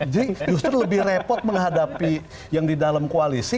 jadi justru lebih repot menghadapi yang di dalam koalisi